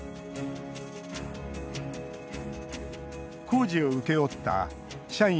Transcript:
工事を請け負った社員